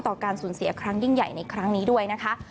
การสูญเสียครั้งยิ่งใหญ่ในครั้งนี้ด้วยนะคะ